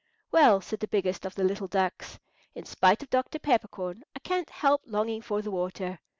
"Well," said the biggest of the little ducks, "in spite of Dr. Peppercorn, I can't help longing for the water.